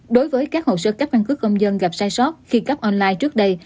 đối với các hồ sơ cấp căn cứ công dân gặp sai sót khi cấp online trước đây